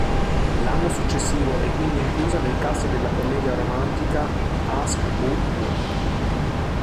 L'anno successivo è quindi inclusa nel cast della commedia romantica "Ask Bu Mu?